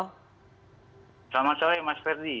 selamat sore mas ferdi